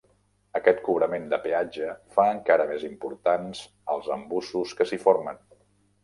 Aquest cobrament de peatge fa encara més importants els embussos que s'hi formen.